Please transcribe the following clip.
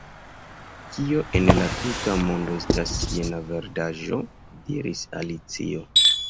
"Kio en la tuta mondo estas jena verdaĵo?" diris Alicio, "